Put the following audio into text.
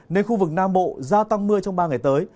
nên khu vực nam bộ gia tăng mưa trong ba ngày tới